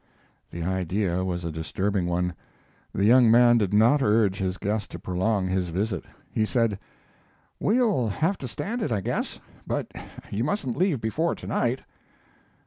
The idea was a disturbing one. The young man did not urge his guest to prolong his visit. He said: "We'll have to stand it, I guess, but you mustn't leave before to night."